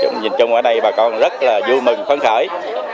nhìn chung ở đây bà con rất là vui mừng khó khởi